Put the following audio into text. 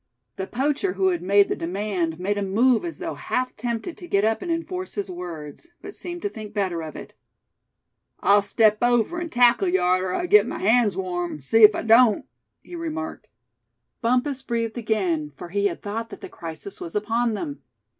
The poacher who had made the demand made a move as though half tempted to get up and enforce his words; but seemed to think better of it. "I'll step over, an' tackle yuh arter I got my hands warm, see ef I don't," he remarked. Bumpus breathed again, for he had thought that the crisis was upon them.